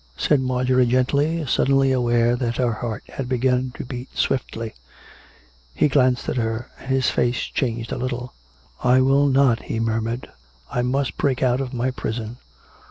''" said Marjorie gently, suddenly aware that her heart had begun to beat swiftly. He glanced at her, and his face changed a little. " I will not," he murmured. " I must break out of my prison.